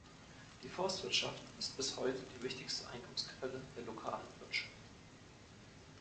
Die Forstwirtschaft ist bis heute die wichtigste Einkommensquelle der lokalen Wirtschaft.